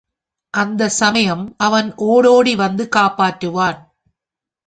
அந்தச் சமயம் அவன் ஓடோடியும் வந்து காப்பாற்றுவான்.